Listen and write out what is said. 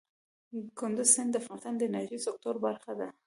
کندز سیند د افغانستان د انرژۍ سکتور برخه ده.